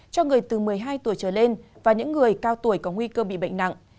cho người từ một mươi hai tuổi trở lên và những người cao tuổi có nguy cơ bị bệnh nặng